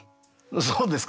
そうですか？